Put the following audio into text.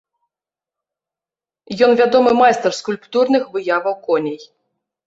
Ён вядомы майстар скульптурных выяваў коней.